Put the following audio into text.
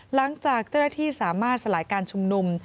หลังจากเจ้าหน้าที่สามารถสลายการชุมนุม